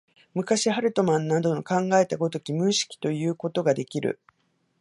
昔、ハルトマンなどの考えた如き無意識ともいうことができる。